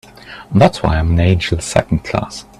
That's why I'm an angel Second Class.